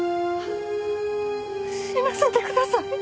死なせてください！